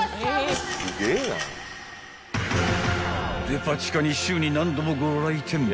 ［デパ地下に週に何度もご来店］